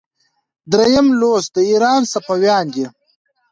دریم لوست د ایران صفویان دي.